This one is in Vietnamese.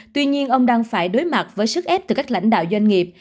tuy nhiên ông đang phải đối mặt với sức ép từ các lãnh đạo doanh nghiệp